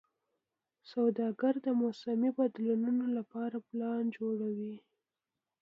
سوداګر د موسمي بدلونونو لپاره پلان جوړوي.